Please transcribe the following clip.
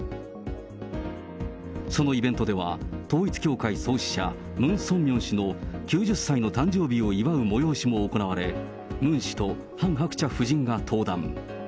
そのイベントでは、統一教会創始者、ムン・ソンミョン氏の９０歳の誕生日を祝う催しも行われ、ムン氏とハン・ハクチャ夫人が登壇。